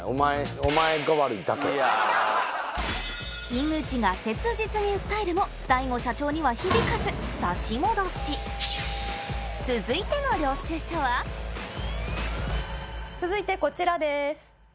井口が切実に訴えるも大悟社長には響かず続いての領収書は続いてこちらです。